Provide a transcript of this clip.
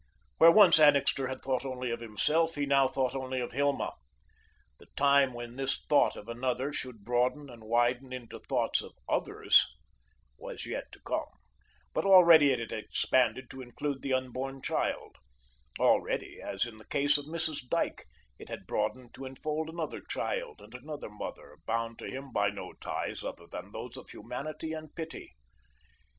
Where once Annixter had thought only of himself, he now thought only of Hilma. The time when this thought of another should broaden and widen into thought of OTHERS, was yet to come; but already it had expanded to include the unborn child already, as in the case of Mrs. Dyke, it had broadened to enfold another child and another mother bound to him by no ties other than those of humanity and pity.